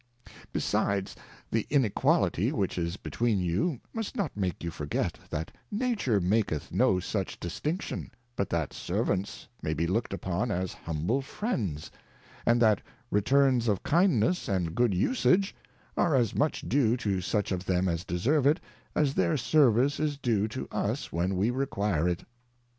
Besides, the Inequality which is between you, must not make you fofgetT^ttafTValMTe maketh no such dis tinction, but tEat Servants may be looked upon as humble Friends, and that Returns of Kindness and good Usage are as much due to such of them as deserve it, as their Service is due to us when we require it.